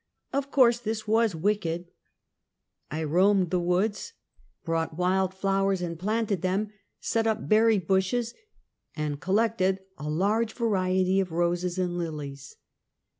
Of course this was wicked. I roamed the woods, Mexican "Wae Letters. 91 brought wild flowers and planted tliem, set out berry bushes, and collected a large variety of roses and lilies.